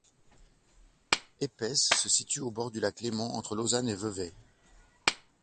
Épesses se situe au bord du lac Léman, entre Lausanne et Vevey.